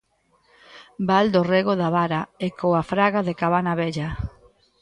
Val do rego da Vara e coa Fraga de Cabana Vella.